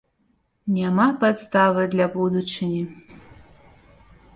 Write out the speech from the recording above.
Няма падставы для будучыні.